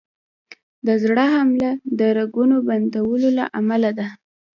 د زړه حمله د رګونو بندېدو له امله ده.